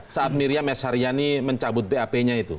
saat miriam s haryani mencabut bap nya itu